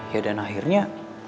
ya dan akhirnya